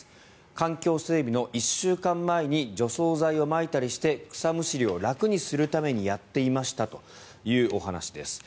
環境整備の１週間前に除草剤をまいたりして草むしりを楽にするためにやっていましたというお話です。